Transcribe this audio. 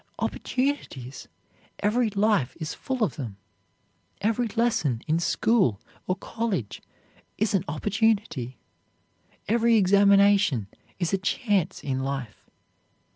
Opportunities! Every life is full of them. Every lesson in school or college is an opportunity. Every examination is a chance in life.